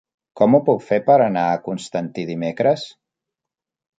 Com ho puc fer per anar a Constantí dimecres?